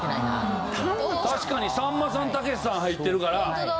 確かにさんまさんたけしさん入ってるから。